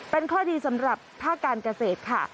เป็นข้อดีสำหรับภาคการเกษตรค่ะ